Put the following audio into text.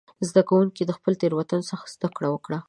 زده کوونکي د خپلو تېروتنو څخه زده کړه وکړه.